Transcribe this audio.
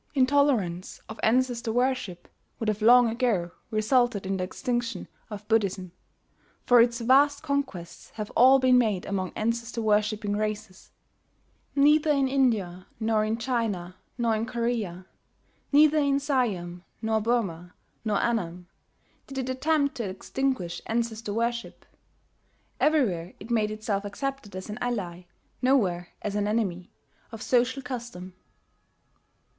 Intolerance of ancestor worship would have long, ago resulted in the extinction of Buddhism; for its vast conquests have all been made among ancestor worshipping races. Neither in India nor in China nor in Korea, neither in Siam nor Burmah nor Annam, did it attempt to extinguish ancestor worship, Everywhere it made itself accepted as an ally, nowhere as an enemy, of social custom.